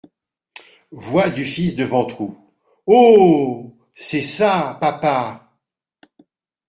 Voix du fils de Ventroux .— Oh ! c’est ça, papa !